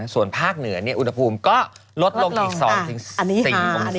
ส่วนภาคเหนืออุณหภูมิก็ลดลงอีก๒๔องศา